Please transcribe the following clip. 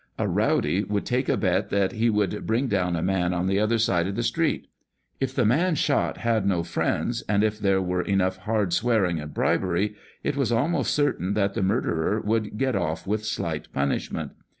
A rowdy would take a bet that he would bring down a man on the other side of the street. If the man shot had no friends, and if there were enough hard swearing and bribery, it was almost certain that the murderer would get off with slight punishment.